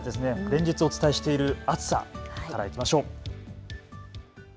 連日お伝えしている暑さからいきましょう。